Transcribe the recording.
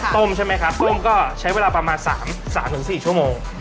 ใช่ไหมครับต้มก็ใช้เวลาประมาณ๓๔ชั่วโมง